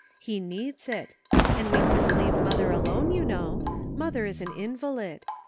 He needs it ; and we couldn't leave mother alone you know. Mother is an invalid.